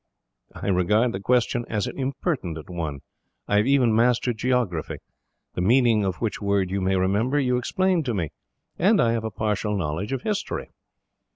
"I regard the question as an impertinent one. I have even mastered geography; the meaning of which word you may remember, you explained to me; and I have a partial knowledge of history."